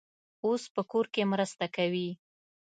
اوس په کور کې مرسته کوي.